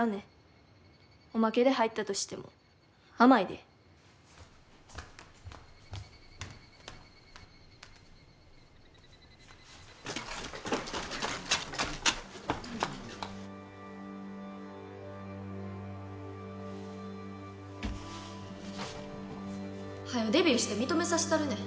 おまけで入ったとしても甘いで。はよデビューして認めさせたるねん。